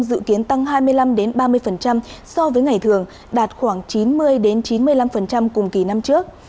dự kiến tăng hai mươi năm ba mươi so với ngày thường đạt khoảng chín mươi chín mươi năm cùng kỳ năm trước